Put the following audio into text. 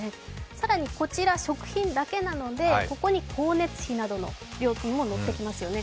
更にこちら、食品だけなので、ここに光熱費などの料金ものってきますよね。